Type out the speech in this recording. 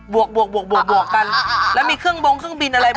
บววกคุณซึ่งมีเครื่องโบ๊งเครื่องบินอะไร